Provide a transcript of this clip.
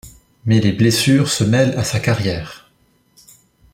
Mais les blessures se mêlent à sa carrière.